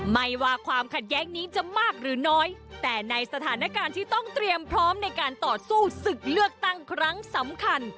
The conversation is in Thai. ไม่ว่าความขัดแย้งนี้จะมากหรือน้อยแต่ในสถานการณ์ที่ต้องเตรียมพร้อมในการต่อสู้ศึกเลือกตั้งครั้งสำคัญ